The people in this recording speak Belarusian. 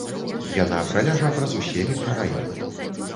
Яна праляжа праз усе мікрараёны.